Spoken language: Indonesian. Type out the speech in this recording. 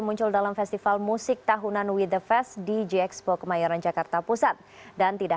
muncul dalam festival musik tahunan with the fest di gxpo kemayoran jakarta pusat dan tidak